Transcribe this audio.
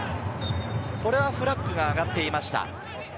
これはフラッグが上がっていました。